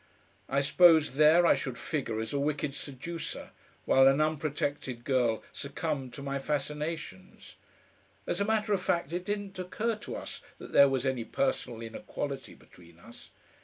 I suppose there I should figure as a wicked seducer, while an unprotected girl succumbed to my fascinations. As a matter of fact, it didn't occur to us that there was any personal inequality between us.